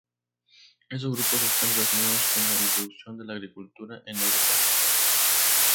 Estos grupos están relacionados con la introducción de la agricultura en Europa central.